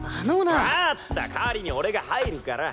わった代わりに俺が入るから。